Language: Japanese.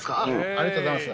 ありがとうございます。